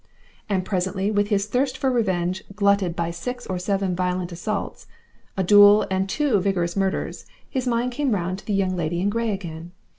And presently with his thirst for revenge glutted by six or seven violent assaults, a duel and two vigorous murders, his mind came round to the Young Lady in Grey again.